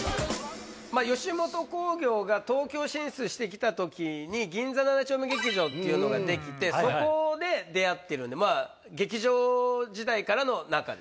吉本興業が東京進出して来た時に銀座７丁目劇場っていうのが出来てそこで出会ってるんでまぁ劇場時代からの仲ですね。